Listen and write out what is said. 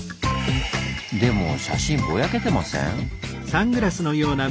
でも写真ぼやけてません？